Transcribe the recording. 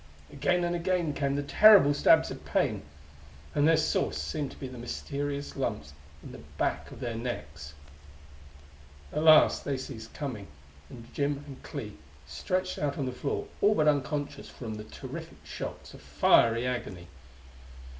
Again and again came the terrible stabs of pain and their source seemed to be the mysterious lumps at the back of their necks! At last they ceased coming, and Jim and Clee stretched out on the floor all but unconscious from the terrific shocks of fiery agony.